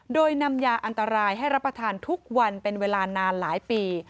โดยนำยาอันตรายให้รับประทานทุกวันเป็นเวลานานหลายปี